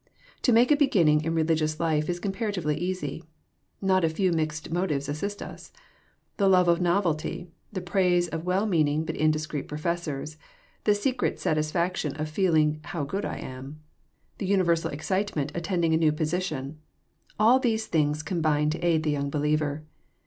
To make a beginning in religious life is comparatively easy. Not a few mixed motives assist us. The love of novelty, the praise of well meaning but indiscreet professors, the secret self satisfaction of feeling '' how good I am," the universal excitement attending a new position,— all these things com bine to aid the young beginner.